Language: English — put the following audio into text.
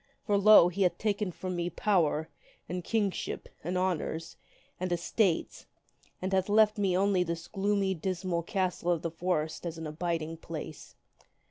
For, lo ! he hath taken from me power, and kingship, and honors, and estates, and hath left me only this gloomy, dismal castle of the forest as an abiding place.